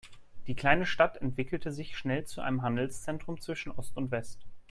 Die kleine Stadt entwickelte sich schnell zu einem Handelszentrum zwischen Ost und West.